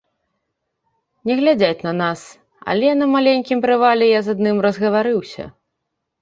Не глядзяць на нас, але на маленькім прывале я з адным разгаварыўся.